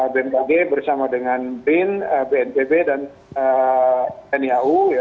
bmkg bersama dengan bin bnpb dan niau